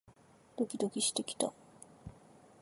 ドキドキしてきた